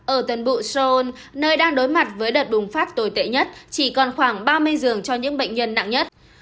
ở tuần bụi seoul nơi đang đối mặt với đợt bùng phát tồi tệ nhất chỉ còn khoảng ba mươi dường cho những bệnh nhân nặng nhất